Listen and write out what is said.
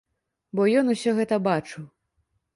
Бо ён усё гэта бачыў.